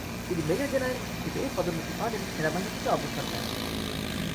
তিনি major general হিসেবে পদোন্নতি পান এবং সেনাবাহিনী থেকে অবসর নেন।